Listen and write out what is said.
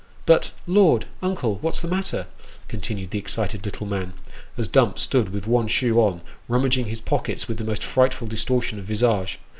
But, Lord ! uncle, what's the matter ?" continued the excited little man, as Dumps stood with one shoe on, rummaging his pockets with the most fright ful distortion of visage.